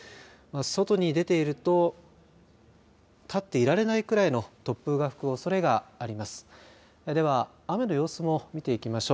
外に出ていると立っていられないくらいの突風が吹くおそれがあります。